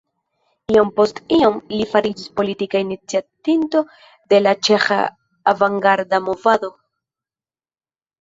Iom post iom li fariĝis politika iniciatinto de la ĉeĥa avangarda movado.